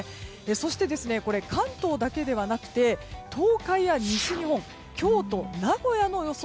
そして、関東だけではなくて東海や西日本京都、名古屋の予想